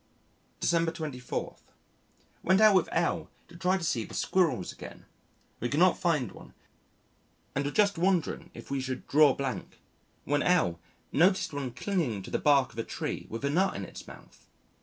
December 24. Went out with L to try to see the squirrels again. We could not find one and were just wondering if we should draw blank when L noticed one clinging to the bark of a tree with a nut in its mouth.